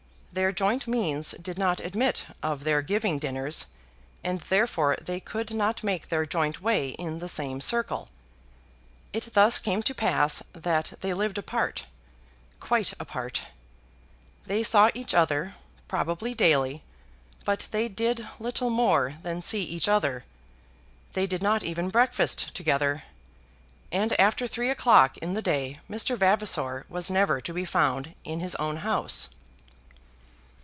Their joint means did not admit of their giving dinners, and therefore they could not make their joint way in the same circle. It thus came to pass that they lived apart, quite apart. They saw each other, probably daily; but they did little more than see each other. They did not even breakfast together, and after three o'clock in the day Mr. Vavasor was never to be found in his own house.